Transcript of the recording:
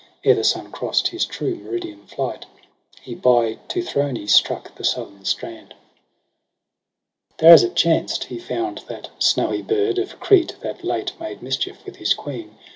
Ere the sun crost his true meridian flight He by Teuthrone struck the southern strand. ao(f EROS ^ PSYCHE 3 There as it chanct he found that snowy bird Of Crete, that late made mischief with his queen.